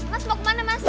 mas mau kemana mas